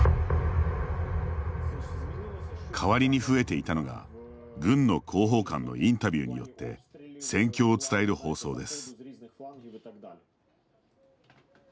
代わりに増えていたのが軍の広報官のインタビューによって戦況を伝える放送です。